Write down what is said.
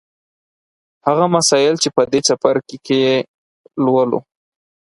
هغه مسایل چې په دې څپرکي کې یې لولو